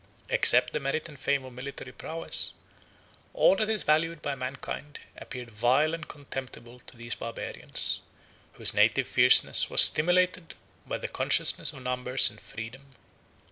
Except the merit and fame of military prowess, all that is valued by mankind appeared vile and contemptible to these Barbarians, whose native fierceness was stimulated by the consciousness of numbers and freedom.